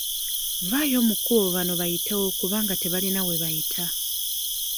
Vvaayo mu kkubo banno bayitewo kubanga tebalina we bayita.